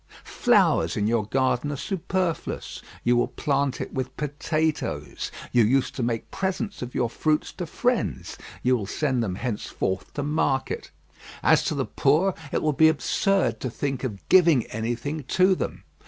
Flowers in your garden are superfluous; you will plant it with potatoes. You used to make presents of your fruits to friends; you will send them henceforth to market. As to the poor, it will be absurd to think of giving anything to them.